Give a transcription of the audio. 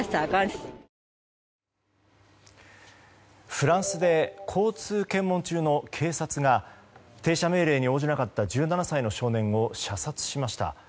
フランスで交通検問中の警察が停車命令に応じなかった１７歳の少年を射殺しました。